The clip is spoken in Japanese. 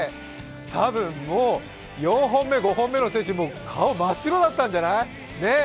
多分もう、４本目、５本目の選手、顔、真っ白だったんじゃない？